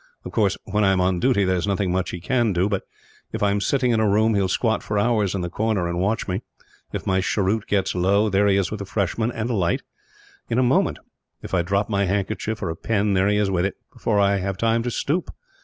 Of course, when I am on duty there is nothing much he can do; but if I am sitting in a room, he will squat for hours in the corner and watch me. If my cheroot gets low, there he is with a fresh one and a light, in a moment. If I drop my handkerchief, or a pen, there he is with it, before I have time to stoop.